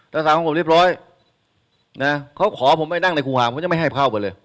ทหารของผมเรียบร้อยเขาขอผมให้นั่งในครูหาผมจะไม่ให้เข้าไปเลย